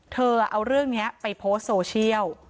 เอาเรื่องนี้ไปโพสต์โซเชียล